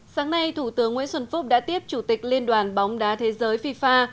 sáng nay thủ tướng nguyễn xuân phúc đã tiếp chủ tịch liên đoàn bóng đá thế giới fifa